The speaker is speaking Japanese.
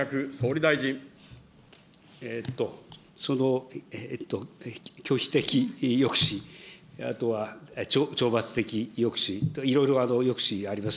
その拒否的抑止、あとは懲罰的抑止、いろいろ抑止あります。